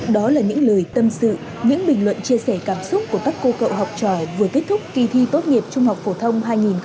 đó là những lời tâm sự những bình luận chia sẻ cảm xúc của các cô cậu học trò vừa kết thúc kỳ thi tốt nghiệp trung học phổ thông hai nghìn hai mươi